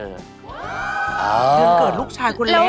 เกิดลูกชายคนเล็ก